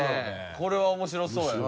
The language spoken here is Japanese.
これは面白そうやな。